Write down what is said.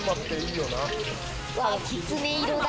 きつね色だ。